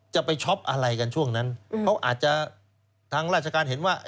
จะไปช็อปอะไรกันช่วงนั้นเขาอาจจะทางราชการเห็นว่า